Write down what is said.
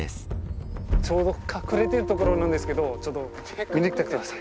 ちょうど隠れてる所なんですけどちょっと見に来てください。